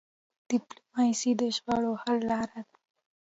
ډيپلوماسي د شخړو حل لاره ده.